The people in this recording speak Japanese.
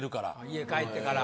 家帰ってから。